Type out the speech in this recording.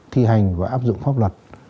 thi hành và áp dụng pháp luật